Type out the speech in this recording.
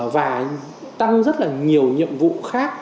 và tăng rất là nhiều nhiệm vụ khác